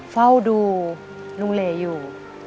เฝ้าดูลุงเหลอยู่